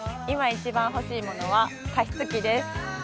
今一番欲しいものは加湿器です。